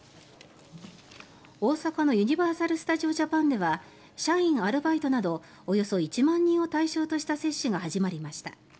大阪のユニバーサル・スタジオ・ジャパンでは社員・アルバイトなどおよそ１万人を対象とした接種が始まりました。